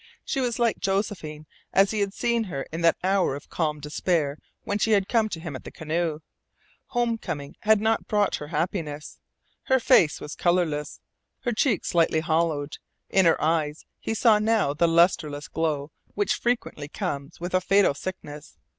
She was like Josephine as he had seen her in that hour of calm despair when she had come to him at the canoe. Home coming had not brought her happiness. Her face was colourless, her cheeks slightly hollowed, in her eyes he saw now the lustreless glow which frequently comes with a fatal sickness.